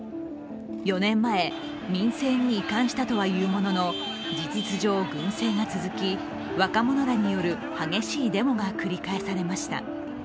４年前、民政に移管したとはいうものの、事実上軍政が続き若者らによる激しいデモが繰り返されました。